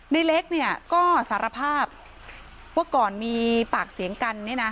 ในเล็กเนี่ยก็สารภาพว่าก่อนมีปากเสียงกันเนี่ยนะ